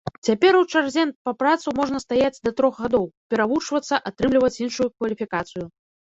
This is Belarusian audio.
Цяпер у чарзе па працу можна стаяць да трох гадоў, перавучвацца, атрымліваць іншую кваліфікацыю.